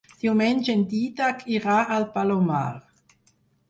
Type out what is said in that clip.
Diumenge en Dídac irà al Palomar.